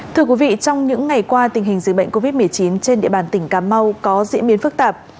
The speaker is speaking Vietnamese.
thưa quý vị trong những ngày qua tình hình dịch bệnh covid một mươi chín trên địa bàn tỉnh cà mau có diễn biến phức tạp